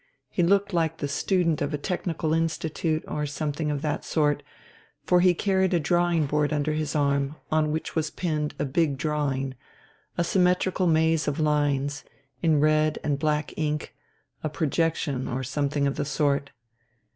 He looked like the student of a technical institute or something of that sort, for he carried a drawing board under his arm, on which was pinned a big drawing, a symmetrical maze of lines in red and black ink, a projection or something of the sort.